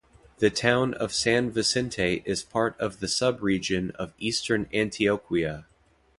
The town of San Vicente is part of the sub-region of Eastern Antioquia.